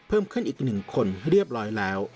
เพิ่มขึ้นอีก๑คนเรียบร้อยแล้ว